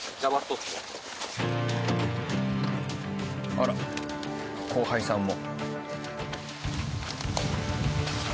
あら後輩さんも。